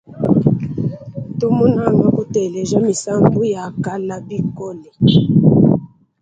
Ntu munanga kuteleja misambu ya kala bikola.